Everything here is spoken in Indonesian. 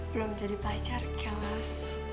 belum jadi pacar kelas